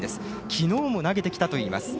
昨日も投げてきたといいます。